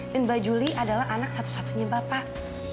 dan mbak juli adalah anak satu satunya bapak